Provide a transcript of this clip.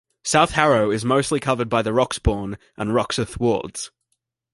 South Harrow is mostly covered by the Roxbourne and Roxeth wards.